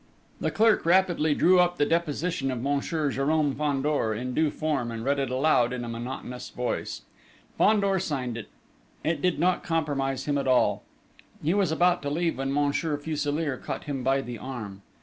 The clerk rapidly drew up the deposition of Monsieur Jérôme Fandor, in due form, and read it aloud in a monotonous voice. Fandor signed it. It did not compromise him at all. He was about to leave when Monsieur Fuselier caught him by the arm.